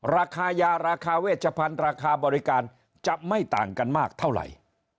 ราคายาราคาเวชพันธ์ราคาบริการจะไม่ต่างกันมากเท่าไหร่